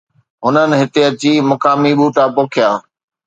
هنن هتي اچي مقامي ٻوٽا پوکيا.